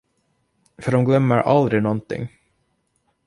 För de glömmer aldrig nånting.